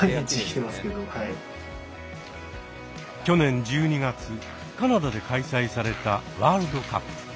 去年１２月カナダで開催されたワールドカップ。